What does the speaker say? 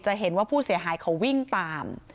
เห็นว่าผู้เสียหายเขาวิ่งตาม